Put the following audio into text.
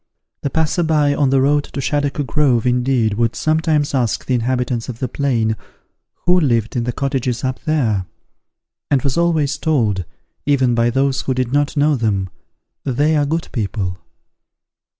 The passer by on the road to Shaddock Grove, indeed, would sometimes ask the inhabitants of the plain, who lived in the cottages up there? and was always told, even by those who did not know them, "They are good people."